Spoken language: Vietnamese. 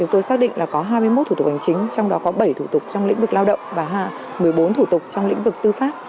tôi xác định là có hai mươi một thủ tục hành chính trong đó có bảy thủ tục trong lĩnh vực lao động và một mươi bốn thủ tục trong lĩnh vực tư pháp